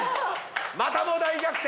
またも大逆転！